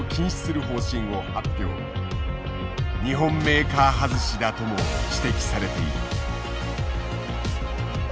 日本メーカー外しだとも指摘されている。